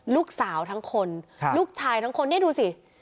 ลูกสาวทั้งคนลูกชายทั้งคนเนี่ยดูสิ